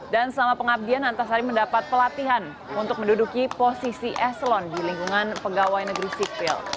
dan selama pengabdian antasari mendapat pelatihan untuk menduduki posisi eselon di lingkungan pegawai negeri sikvil